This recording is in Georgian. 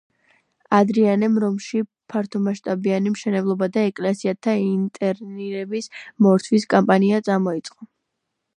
ადრიანემ რომში ფართომასშტაბიანი მშენებლობა და ეკლესიათა ინტერიერების მორთვის კამპანია წამოიწყო.